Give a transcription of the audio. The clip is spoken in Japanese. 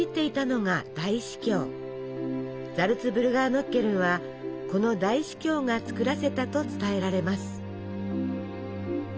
ザルツブルガーノッケルンはこの大司教が作らせたと伝えられます。